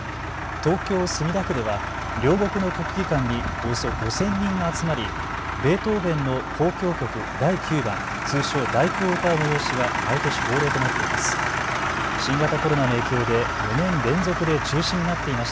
東京墨田区では両国の国技館におよそ５０００人が集まりベートーヴェンの交響曲第９番通称、第九を歌う催しが毎年恒例となっています。